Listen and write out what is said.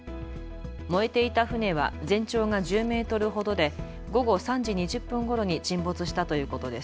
燃えていた船は全長が１０メートルほどで午後３時２０分ごろに沈没したということです。